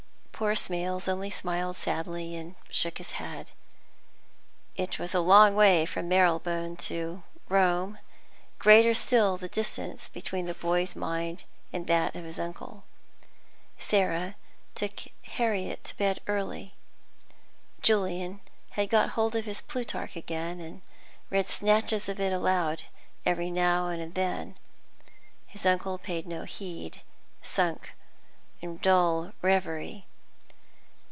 Poor Smales only smiled sadly and shook his head. It was a long way from Marylebone to Rome; greater still the distance between the boy's mind and that of his uncle. Sarah took Harriet to bed early. Julian had got hold of his Plutarch again, and read snatches of it aloud every now and then. His uncle paid no heed, was sunk in dull reverie.